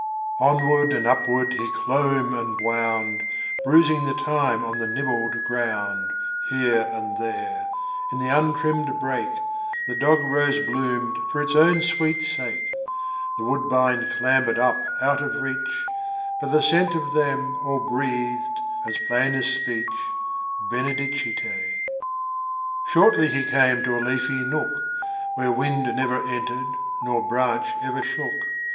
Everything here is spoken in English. Ill Onward and upward he clomb and wound, Bruising the thyme on the nibbled ground BROTHER BENEDICT 147 Here and there, in the untrmimed brake, The dog rose bloomed for its own sweet sake ; The woodbine clambered up out of reach, But the scent of them all breathed as plain as speech, Benedicite. IV Shortly he came to a leafy nook, Where wind never entered nor branch ever shook.